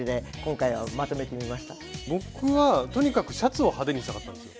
僕はとにかくシャツを派手にしたかったんですよ。